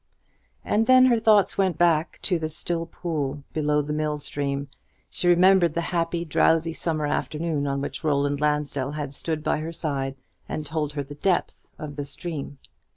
And then her thoughts went back to the still pool below the mill stream. She remembered the happy, drowsy summer afternoon on which Roland Lansdell had stood by her side and told her the depth of the stream.